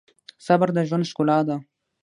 صبر د ژوند ښکلا ده.